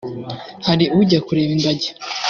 hari ujya kureba ingagi